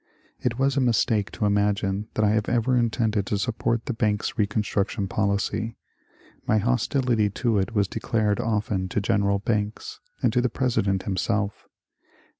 It was a mistake to imagine that I have ever intended to support the Banks reconstruction policy. My hostility to it was declared often to Gen. Banks and to the President him self.